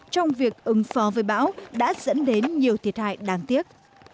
trong việc ứng phó với bão đã dẫn đến nhiều thiệt hại đáng tiếc